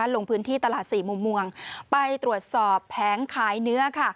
ลงพื้นที่ตลาด๔มมไปตรวจสอบแผงขายเนื้อ